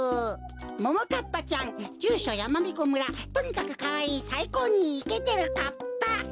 ももかっぱちゃんじゅうしょやまびこ村とにかくかわいいさいこうにイケてるかっぱ。